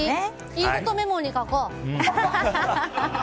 いいことメモに書こう。